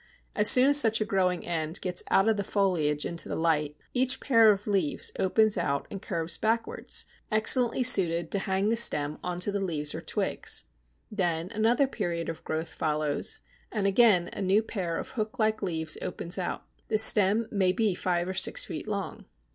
As soon as such a growing end gets out of the foliage into the light, each pair of leaves opens out and curves backwards, making a pair of broad, curved hooks excellently suited to hang the stem on to the leaves or twigs. Then another period of growth follows, and again a new pair of hook like leaves opens out. The stem may be five or six feet long.